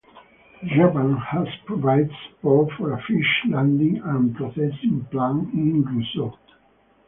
Japan has provided support for a fish landing and processing plant in Roseau.